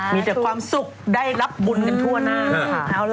มีแต่ความสุขได้รับบุญกันทั่วหน้าเลยค่ะ